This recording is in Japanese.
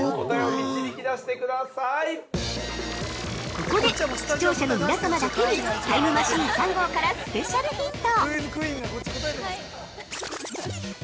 ◆ここで視聴者の皆様だけにタイムマシーン３号からスペシャルヒント！